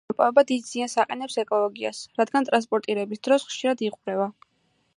ნავთობის მოპოვება დიდ ზიანს აყენებს ეკოლოგიას, რადგან ტრანსპორტირების დროს ხშირად იღვრება